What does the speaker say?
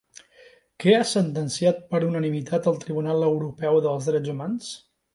Què ha sentenciat per unanimitat el Tribunal Europeu dels Drets Humans?